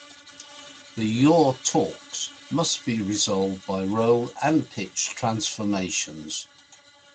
The yaw torques must be resolved by roll and pitch transformations.